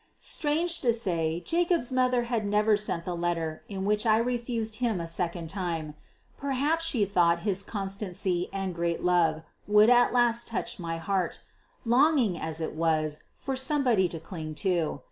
Strange to say, Jacob's mother had never sent the letter in which I refused him a second time. Perhaps she thought his constancy and great love would at last touch my heart, longing as it was for somebody to cling to.